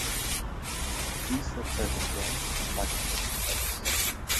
These sets are disjoint and partition "X".